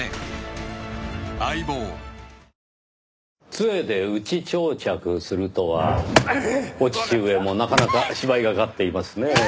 杖で打ち打擲するとはお父上もなかなか芝居がかっていますねぇ。